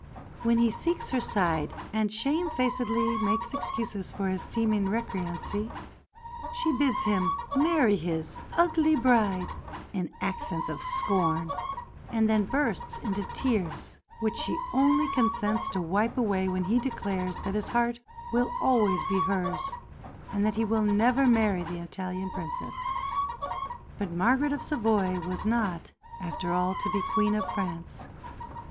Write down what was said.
When he seeks her side and shamefacedly makes excuses for his seeming recreancy, she bids him marry his "ugly bride" in accents of scorn, and then bursts into tears, which she only consents to wipe away when he declares that his heart will always be hers and that he will never marry the Italian Princess. But Margaret of Savoy was not after all to be Queen of France.